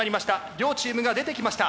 両チームが出てきました。